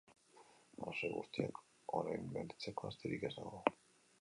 Arrazoi guztiak orain berritzeko astirik ez dago.